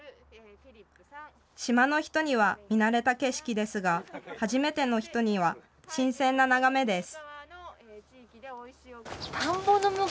島の人には見慣れた景色ですが、初めての人には新鮮な眺めです。